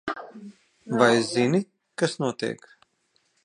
Vai zini, kas notiek?